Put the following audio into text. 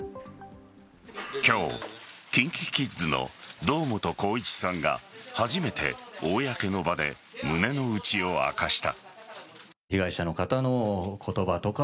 今日ＫｉｎＫｉＫｉｄｓの堂本光一さんが初めて公の場で胸の内を明かした。